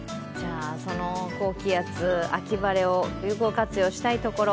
その高気圧、秋晴れを有効活用したいところ。